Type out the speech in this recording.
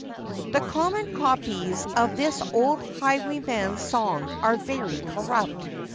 [THE common copies of this old highwayman's song are very corrupt.